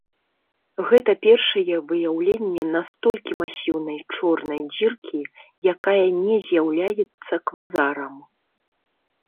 Гэта першае выяўленне настолькі масіўнай чорнай дзіркі, якая не з'яўляецца квазарам.